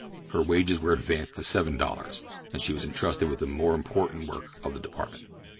Her wages were advanced to seven dollars, and she was entrusted with the more important work of the department.